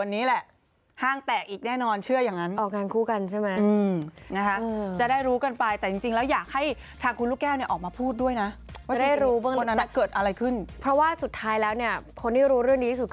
เงื่อนกันทำให้ครอบครัวมีความสุข